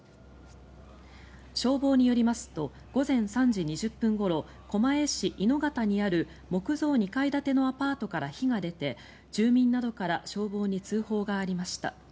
消防によりますと午前３時２０分ごろ狛江市猪方にある木造２階建てのアパートから火が出て住民などから消防に通報がありました。